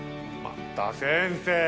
また先生！